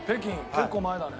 結構前だね。